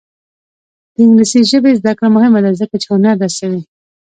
د انګلیسي ژبې زده کړه مهمه ده ځکه چې هنر رسوي.